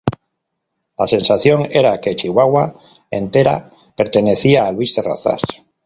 La sensación era que Chihuahua entera pertenecía a Luis Terrazas.